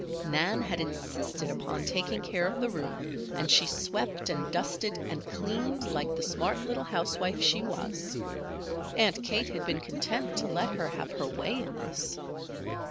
Nan had insisted upon taking care of the room, and she swept and dusted and cleaned like the smart little housewife she was. Aunt Kate had been content to let her have her way in this.